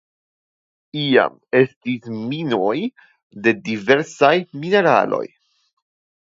Iam estis minoj de diversaj mineraloj.